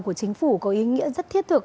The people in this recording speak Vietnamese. của chính phủ có ý nghĩa rất thiết thực